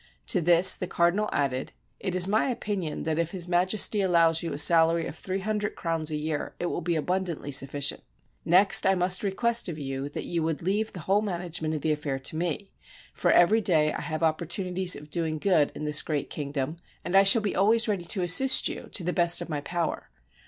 To this the cardinal added, "It is my opinion that if His Majesty allows you a salary of three hundred crowns a year, it will be abun dantly sufficient. Next I must request of you that you would leave the whole management of the affair to me, for every day I have opportunities of doing good in this great kingdom, and I shall be always ready to assist you to the best of my power."